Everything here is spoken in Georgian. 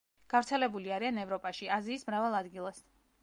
გავრცელებული არიან ევროპაში, აზიის მრავალ ადგილას.